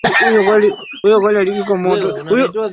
Mwezi wa januari umekuwa mgumu